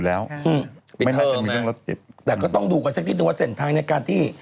แต่ก็ต้องดูกันสักนิดหนึ่งว่าเส้นทางในการที่